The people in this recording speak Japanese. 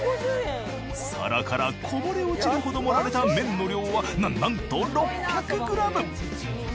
皿からこぼれ落ちるほど盛られた麺の量はななんと６００ｇ。